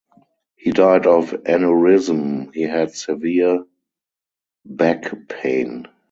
He died of aneurysm he had severe back pain.